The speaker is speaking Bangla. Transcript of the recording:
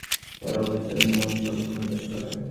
তার অবচেতন মন সর্বক্ষণ কাজ করে।